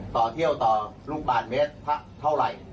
ต่อเที่ยวต่อลูกบาทเมตรเท่าไหร่